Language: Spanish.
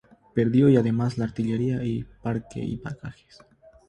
Perdió, además, la artillería, el parque y bagajes.